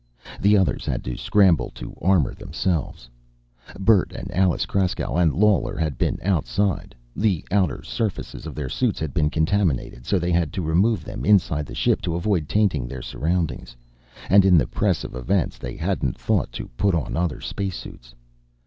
The others had to scramble to armor themselves. Bert and Alice Kraskow, and Lawler, had been outside. The outer surfaces of their suits had been contaminated, so they had had to remove them inside the ship to avoid tainting their surroundings. And in the press of events they hadn't thought to put on other spacesuits.